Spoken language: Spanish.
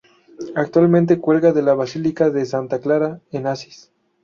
Actualmente cuelga de la Basílica de Santa Clara en Asís.